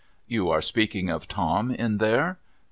' You are speaking of Tom in there